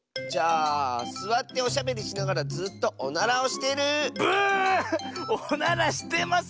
じゃあすわっておしゃべりしながらずっとおならをしてる！